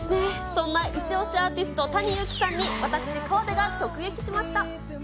そんなイチオシアーティスト、タニ・ユウキさんに私、河出が直撃しました。